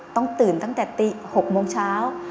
ต้องตื่นตั้งแต่ตี๖โมงเช้า